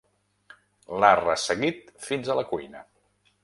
L'ha resseguit fins a la cuina.